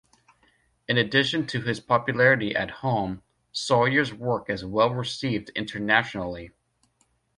In addition to his popularity at home, Sawyer's work is well received internationally.